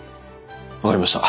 分かりました！